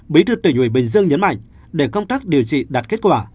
bí thư tỉnh ủy bình dương nhấn mạnh để công tác điều trị đạt kết quả